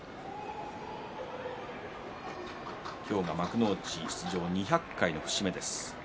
今日が幕内出場２００回の節目です。